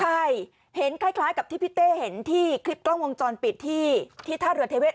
ใช่เห็นคล้ายกับที่พี่เต้เห็นที่คลิปกล้องวงจรปิดที่ท่าเรือเทเวศ